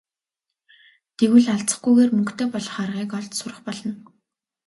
Тэгвэл алзахгүйгээр мөнгөтэй болох аргыг олж сурах болно.